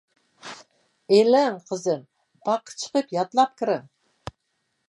-ئېلىڭ، قىزىم، باغقا چىقىپ يادلاپ كىرىڭ.